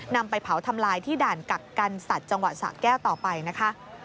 นำไปเผาทำลายที่ด่านกักกันสัตว์จังหวัดสะแก้วต่อไปนะคะ